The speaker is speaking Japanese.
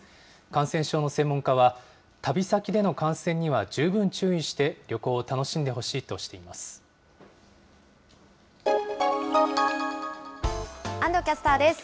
感染症の専門家は、旅先での感染には十分注意して旅行を楽しんでほしいとしています。